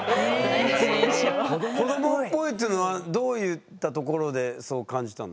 子どもっぽいっていうのはどういったところでそう感じたの？